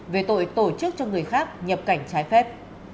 về tội tổ chức cho người khác nhập cảnh trái phép